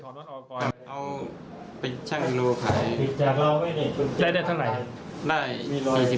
น้อยอย่างนี้